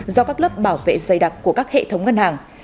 do các lớp bảo vệ dày đặc của các hệ thống ngân hàng